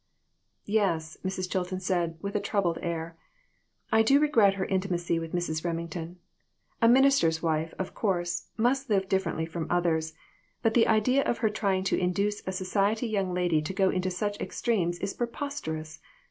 "Yes," Mrs. Chilton said, with a troubled air; " I do regret her intimacy with Mrs. Remington. A minister's wife, of course, must live differently from others, but the idea of her trying to induce a society young lady to go into such extremes is preposterous.